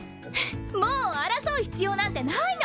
もう争う必要なんてないの。